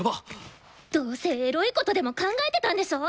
どうせエロいことでも考えてたんでしょ！？